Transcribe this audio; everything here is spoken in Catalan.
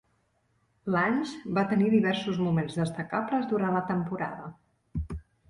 Lange va tenir diversos moments destacables durant la temporada.